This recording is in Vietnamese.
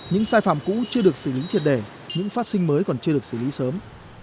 những sai phạm cũ chưa được xử lý triệt đề những phát sinh mới còn chưa được xử lý sớm